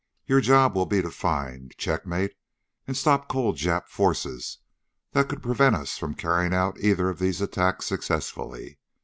"Your job will be to find, checkmate, and stop cold Jap forces that could prevent us from carrying out either of these attacks successfully.